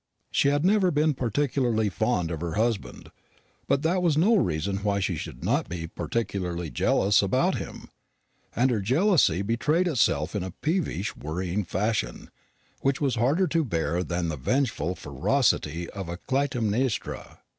She had never been particularly fond of her husband, but that was no reason why she should not be particularly jealous about him; and her jealousy betrayed itself in a peevish worrying fashion, which was harder to bear than the vengeful ferocity of a Clytemnestra.